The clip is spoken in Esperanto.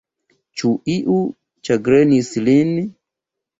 Ĉu iu ĉagrenis lin?